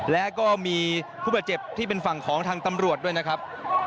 และก็มีผู้บาดเจ็บที่เป็นฝั่งของทางตำรวจด้วยนะครับ